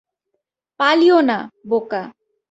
পালিও না, বোকা।